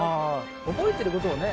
覚えてることをね